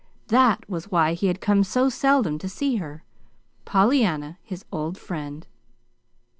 That was why he had come so seldom to see her, Pollyanna, his old friend.